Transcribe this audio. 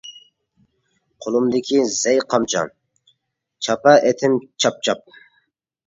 قولۇمدىكى زەي قامچا، چاپە ئېتىم چاپ-چاپ.